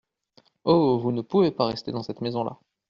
Oh ! vous ne pouvez pas rester dans cette maison-là.